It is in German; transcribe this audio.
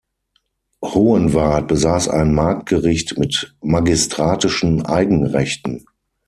Hohenwart besaß ein Marktgericht mit magistratischen Eigenrechten.